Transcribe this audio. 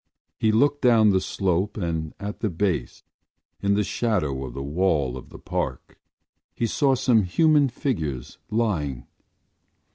He looked down the slope and, at the base, in the shadow of the wall of the Park, he saw some human figures lying.